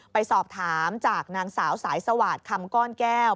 ไปสอบถามจากนางสาวสายสวาสตร์คำก้อนแก้ว